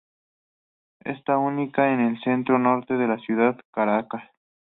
Está ubicada en el centro-norte de la ciudad de Caracas.